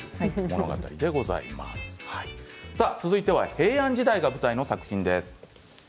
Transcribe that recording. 続いては平安時代が舞台の作品です。